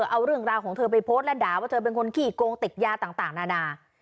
เอาเรื่องราวของเธอไปโพสต์และด่าว่าเธอเป็นคนขี้โกงติดยาต่างนานา